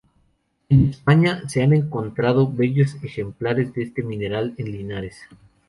En España se han encontrado bellos ejemplares de este mineral en Linares.